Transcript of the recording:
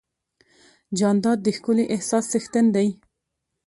جانداد د ښکلي احساس څښتن دی.